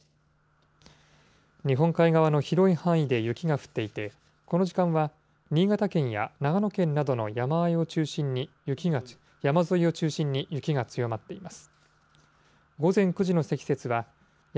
日本海側の広い範囲で雪が降っていて、この時間は新潟県や長野県などの山沿いを中心に雪が強まっています。